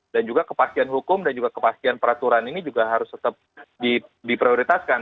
dan juga kepastian hukum dan juga kepastian peraturan ini juga harus tetap diprioritaskan